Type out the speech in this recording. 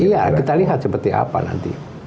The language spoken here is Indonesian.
iya kita lihat seperti apa nanti